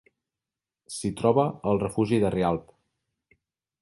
S'hi troba el refugi de Rialb.